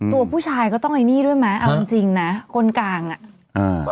ตัวผู้ชายก็ต้องไอ้นี่ด้วยไหมเอาจริงจริงนะคนกลางอ่ะอ่า